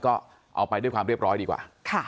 ก็เอาไปด้วยความเรียบร้อยดีกว่า